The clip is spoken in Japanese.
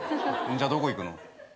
じゃあどこ行くの？